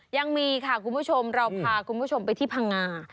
ยังมีค่ะคุณผู้ชมเราพาคุณผู้ชมไปที่พังงา